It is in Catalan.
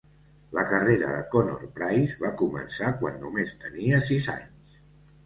La carrera de Connor Price va començar quan només tenia sis anys.